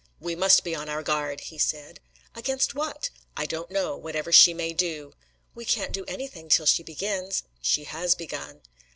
"We must be on our guard," he said. "Against what?" "I don't know; whatever she may do." "We can't do anything till she begins!" "She has begun."